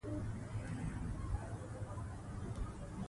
د سیند اوبه په ډېرې ارامۍ سره د غرو تر منځ بهېږي.